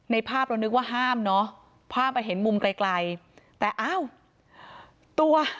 ในภาพเรานึกว่าห้ามเนาะภาพไปเห็นมุมไกลแต่อ้าว